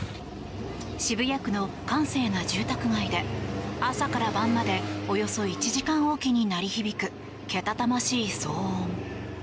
渋谷区の閑静な住宅街で朝から晩までおよそ１時間おきに鳴り響くけたたましい騒音。